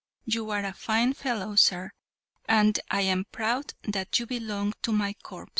You are a fine fellow, sir; and I am proud that you belong to my corps."